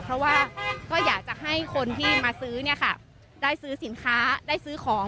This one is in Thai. เพราะว่าก็อยากจะให้คนที่มาซื้อเนี่ยค่ะได้ซื้อสินค้าได้ซื้อของ